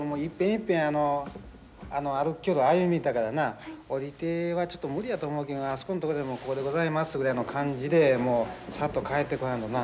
いっぺんあのあの歩きよる歩み板からな下りてはちょっと無理やと思うけあそこんとこでもう「ここでございます」ぐらいの感じでもうさっと帰ってこらんとな。